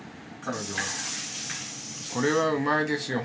これはうまいですよ。